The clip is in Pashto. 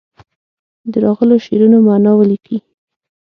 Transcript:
د راغلو شعرونو معنا ولیکي.